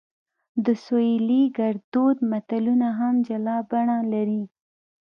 د سویلي ګړدود متلونه هم جلا بڼه لري